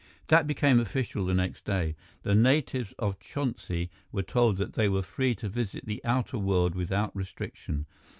That became official the next day. The natives of Chonsi were told that they were free to visit the outer world without restriction.